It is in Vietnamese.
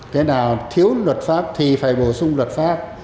cái nào thiếu luật pháp thì phải bổ sung luật pháp